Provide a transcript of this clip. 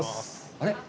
あれ？